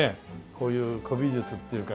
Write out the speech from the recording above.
こういう古美術っていうかね